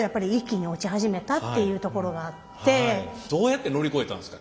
どうやって乗り越えたんですか？